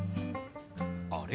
あれ？